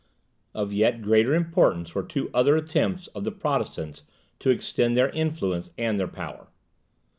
Of yet greater importance were two other attempts of the Protestants to extend their influence and their power.